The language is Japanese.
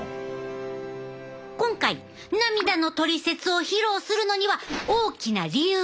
今回涙のトリセツを披露するのには大きな理由があるねん。